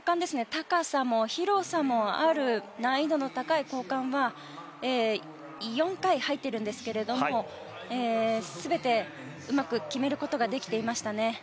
高さも広さもある難易度の高い交換は４回入っているんですけれど全てうまく決めることができていましたね。